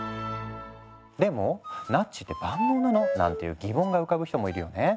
でも「ナッジって万能なの？」なんていう疑問が浮かぶ人もいるよね。